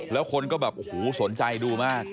แล้วคนก็แบบโอ้โหสนใจดูมาก